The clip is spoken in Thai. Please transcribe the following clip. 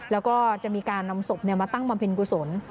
แล้วก็จะมีการนำศพมาตั้งบำเพ็ญกุศล